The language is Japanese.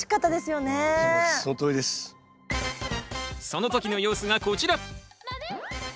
その時の様子がこちら！